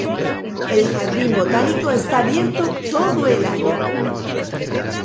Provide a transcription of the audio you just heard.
El jardín botánico está abierto todo el año.